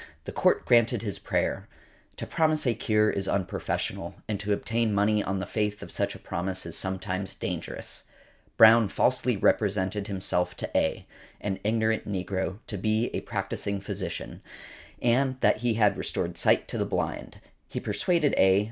The Court granted his prayer . To promise a cure is unprofessional, and to obtain money on the faith of such a promise is sometimes dangerous. Brown falsely represented himself to A., an ignorant negro, to be a practising physician, and that he had restored sight to the blind. He persuaded A.